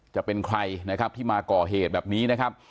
จะเป็นใครนะครับที่มาก่อเหตุแบบนี้นะครับ